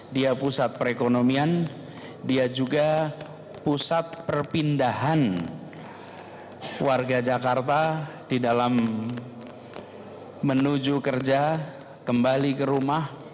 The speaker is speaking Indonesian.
dia pusat perekonomian dia juga pusat perpindahan warga jakarta di dalam menuju kerja kembali ke rumah